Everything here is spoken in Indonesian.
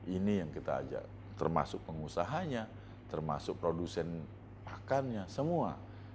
ini yang kita ajak termasuk pengusahanya termasuk produsen pakannya semua